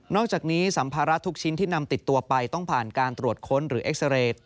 อกจากนี้สัมภาระทุกชิ้นที่นำติดตัวไปต้องผ่านการตรวจค้นหรือเอ็กซาเรย์